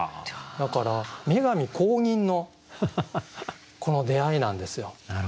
だから女神公認のこの出会いなんですよ。